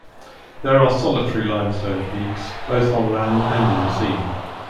There are solitary limestone peaks, both on land and in the sea.